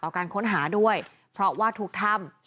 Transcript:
การค้นหาด้วยเพราะว่าทุกถ้ำ